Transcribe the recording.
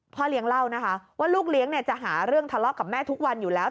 พ่อเลี้ยงเล่านะคะว่าลูกเลี้ยงจะหาเรื่องทะเลาะกับแม่ทุกวันอยู่แล้ว